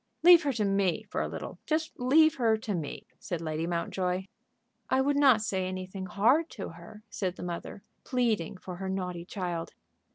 "Leave her to me for a little; just leave her to me," said Lady Mountjoy. "I would not say anything hard to her," said the mother, pleading for her naughty child.